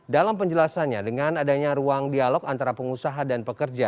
dalam penjelasannya dengan adanya ruang dialog antara pengusaha dan pekerja